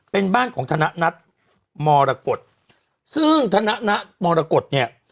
เป็นบ้านของทนะนัทมรรกฏซึ่งทนะนัทมรกฏเนี่ย